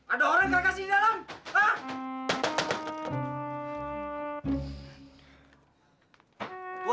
ada orang kena kasih di dalam